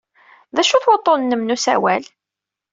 D acu-t wuḍḍun-nnem n usawal?